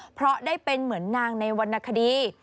เพราะได้เป็นเหมือนนางในวรรณคดี